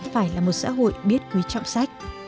phải là một xã hội biết quý trọng sách